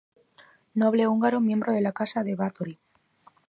Noble húngaro miembro de la Casa de Báthory.